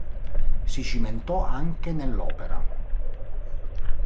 Si cimentò anche nell'opera.